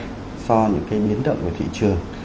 so với những cái miến động của thị trường